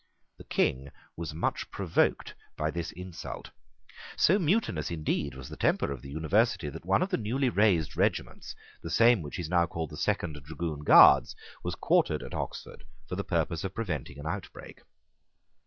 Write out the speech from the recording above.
The King was much provoked by this insult. So mutinous indeed was the temper of the University that one of the newly raised regiments, the same which is now called the Second Dragoon Guards, was quartered at Oxford for the purpose of preventing an outbreak.